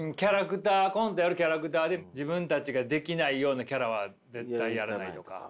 コントやるキャラクターで自分たちができないようなキャラは絶対やらないとか。